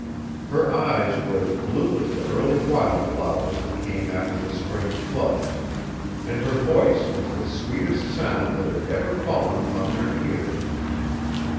Her eyes were as blue as the early wild flowers that came after the spring floods, and her voice was the sweetest sound that had ever fallen upon their ears.